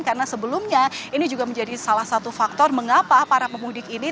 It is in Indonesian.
karena sebelumnya ini juga menjadi salah satu faktor mengapa para pemudik ini